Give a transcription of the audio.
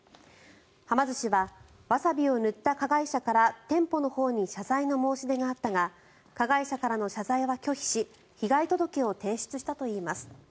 はま寿司はワサビを塗った加害者から店舗のほうに謝罪の申し入れがあったが加害者からの謝罪は拒否し被害届を提出したといいます。